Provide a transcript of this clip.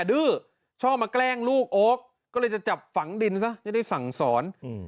ดื้อชอบมาแกล้งลูกโอ๊คก็เลยจะจับฝังดินซะจะได้สั่งสอน